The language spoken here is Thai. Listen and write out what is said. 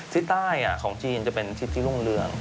ที่ใต้ของจีนจะเป็นชิ้นที่ร่วงเรือง